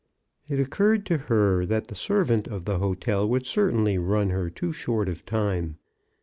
It occurred to her that the servant of the hotel would certainly run her too short of time.